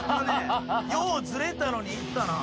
ようずれたのにいったな。